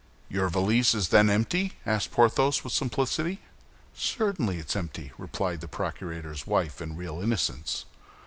"Your valise is then empty?" asked Porthos, with simplicity. "Certainly it is empty," replied the procurator's wife, in real innocence.